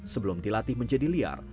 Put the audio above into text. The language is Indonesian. sebelum dilatih menjadi liar